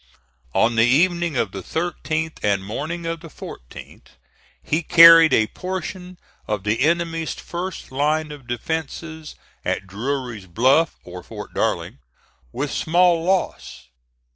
On the evening of the 13th and morning of the 14th he carried a portion of the enemy's first line of defences at Drury's Bluff, or Fort Darling, with small loss.